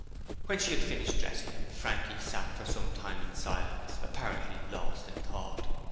When she had finished dressing him, Frankie sat for some time in silence, apparently lost in thought.